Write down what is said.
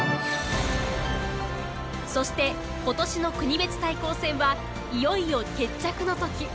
そして今年の国別対抗戦はいよいよ決着の時。